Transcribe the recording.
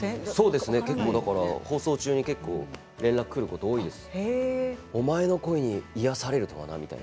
そうですね、放送中に結構、連絡がくることが多いです。